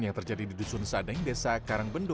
yang terjadi di dusun sadeng desa karangbendo